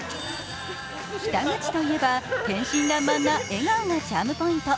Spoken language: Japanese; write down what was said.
北口といえば、天真爛漫な笑顔がチャームポイント。